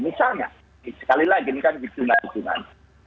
misalnya sekali lagi ini kan di jumat jumat